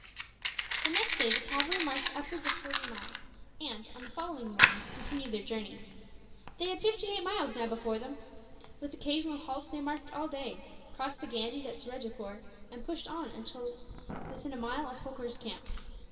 The next day the cavalry marched upwards of forty miles and, on the following morning, continued their journey. They had fifty eight miles now before them. With occasional halts they marched all day, crossed the Ganges at Surajepoor, and pushed on until within a mile of Holkar's camp.